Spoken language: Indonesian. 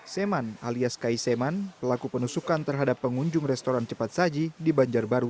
seman alias kai seman pelaku penusukan terhadap pengunjung restoran cepat saji di banjarbaru